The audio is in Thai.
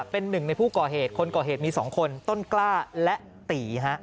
เป็นหนึ่งในผู้ก่อเหตุคนก่อเหตุมี๒คนต้นกล้าและตี